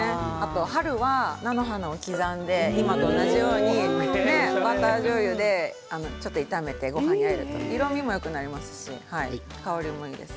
春は菜の花を刻んで同じようにバターじょうゆで炒めてもらって色みもよくなりますし香りもいいです。